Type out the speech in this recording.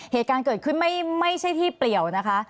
เหตุการณ์เกิดขึ้นไม่ใช่ที่เปลี่ยวนะคะ